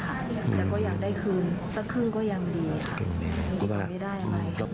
แต่ก็อยากได้คืนสักครึ่งก็ยังดีค่ะยังไม่ได้อะไร